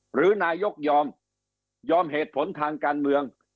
หรือนายกยอมยอมเหตุผลทางการเมือง